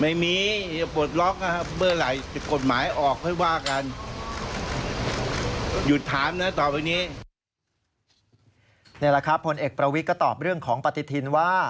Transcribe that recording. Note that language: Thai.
นี่แหละครับผลเอกประวิทย์ก็ตอบเรื่องของปฏิทินว่า